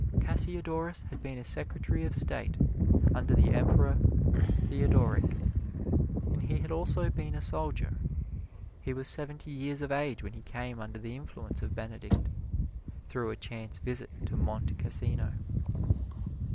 Cassiodorus had been a secretary of state under the Emperor Theodoric, and he had also been a soldier. He was seventy years of age when he came under the influence of Benedict, through a chance visit to Monte Cassino.